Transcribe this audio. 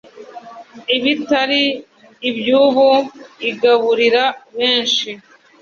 Ibitari ibyubu igaburira benshi,